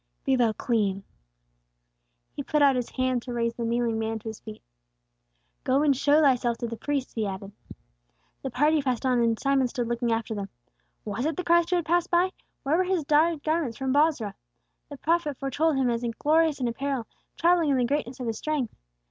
Be thou clean!" He put out His hand to raise the kneeling man to his feet. "Go and show thyself to the priests," He added. The party passed on, and Simon stood looking after them. Was it the Christ who had passed by? Where were His dyed garments from Bozrah? The prophet foretold Him as glorious in apparel, travelling in the greatness of His strength.